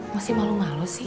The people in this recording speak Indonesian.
masih malu malu sih